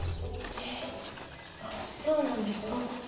えっあっそうなんですか。